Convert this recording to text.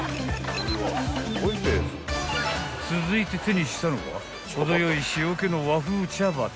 ［続いて手にしたのは程よい塩気の］